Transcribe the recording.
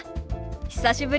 久しぶり。